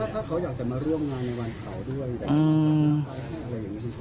ถ้าเขาอยากจะมาร่วมงานในวันเผาด้วย